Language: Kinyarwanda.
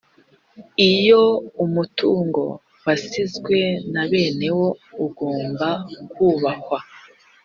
iyo umutungo wasizwe na bene wo ugomba kubahwa